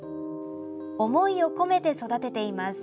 思いを込めて育てています。